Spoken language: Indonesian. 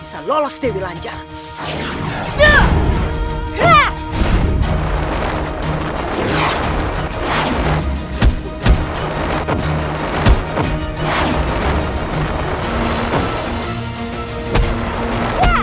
jangan berjalan jalan ini berbahaya